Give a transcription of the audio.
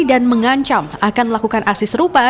dan mengancam akan melakukan akses rupa